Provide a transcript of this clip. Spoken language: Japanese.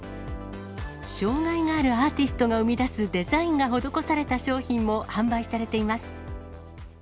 障がいがあるアーティストの生み出すデザインが施された商品も販売されています。